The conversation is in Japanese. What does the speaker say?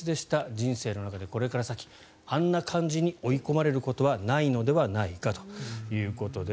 人生の中でこれから先あんな感じに追い込まれることはないのではないかということです。